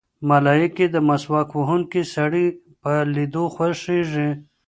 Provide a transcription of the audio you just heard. ملایکې د مسواک وهونکي سړي په لیدو خوښېږي.